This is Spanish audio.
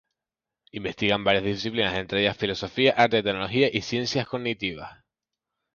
Investiga varias disciplinas, entre ellas filosofía, arte, tecnología y ciencias cognitivas.